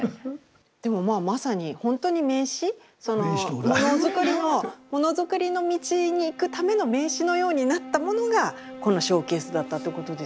でもまあまさにほんとに名刺そのものづくりのものづくりの道に行くための名刺のようになったものがこのショーケースだったっていうことですよね。